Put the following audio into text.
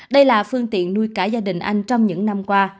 đây là phương tiện nuôi cả gia đình anh trong những năm qua